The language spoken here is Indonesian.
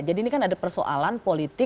jadi ini kan ada persoalan politik